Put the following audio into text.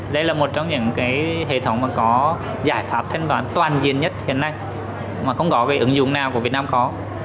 đây là một trong những hệ thống mà có giải pháp thanh toán toàn diện nhất hiện nay mà không có cái ứng dụng nào của việt nam có